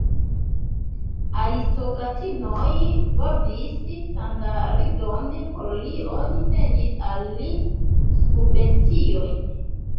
Aristokratinoj brodis standardon por li; oni sendis al li subvenciojn.